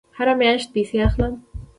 هره میاشت پیسې اخلم